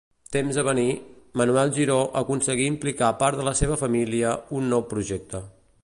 Temps a venir, Manuel Giró aconseguí implicar part de la seva família un nou projecte.